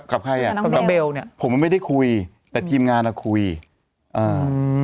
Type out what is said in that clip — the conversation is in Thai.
กับใครอ่ะน้องเบลเนี่ยผมมันไม่ได้คุยแต่ทีมงานเราคุยอ่า